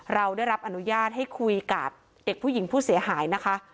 เราได้รับอนุญาตให้คุยกับเด็กผู้หญิงผู้เสียหายนะคะ